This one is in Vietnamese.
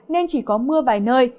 nên chỉ có mưa vài nơi